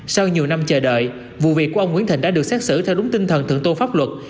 sau nhiều năm chờ đợi vụ việc của ông nguyễn thịnh đã được xét xử theo đúng tinh thần thượng tôn pháp luật